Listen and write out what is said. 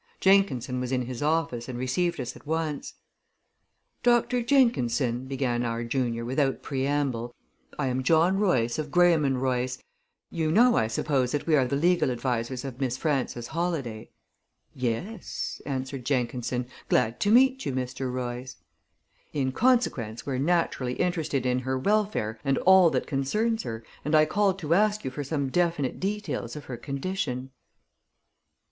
Jenkinson was in his office, and received us at once. "Doctor Jenkinson," began our junior, without preamble, "I am John Royce, of Graham & Royce. You know, I suppose, that we are the legal advisers of Miss Frances Holladay." "Yes," answered Jenkinson. "Glad to meet you, Mr. Royce." "In consequence, we're naturally interested in her welfare and all that concerns her, and I called to ask you for some definite details of her condition."